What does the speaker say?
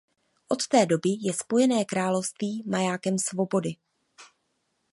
Od té doby je Spojené království majákem svobody.